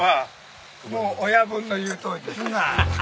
もう親分の言うとおりです。